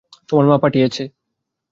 তোমার মা পাঠিয়েছে।